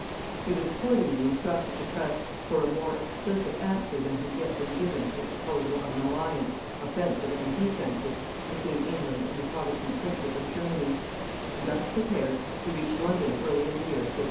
He was accordingly instructed to press for a more explicit answer than had yet been given to the proposal of an alliance offensive and defensive between England and the protestant princes of Germany; and thus prepared he reached London early in the year 1564.